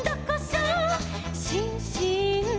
「しんしん」「」